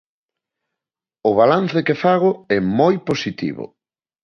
O balance que fago é moi positivo.